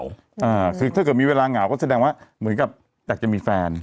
อ่าคือถ้าเกิดมีเวลาเหงาก็แสดงว่าเหมือนกับอยากจะมีแฟน